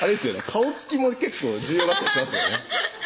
顔つきも結構重要になってきますよね